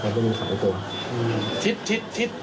เพราะกลัวมันจะเปื้องพร้อมทั้งมีการถอดเสื้อสีขาวออก